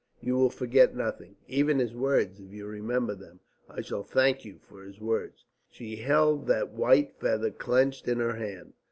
You will forget nothing. Even his words, if you remember them! I shall thank you for his words." She held that white feather clenched in her hand.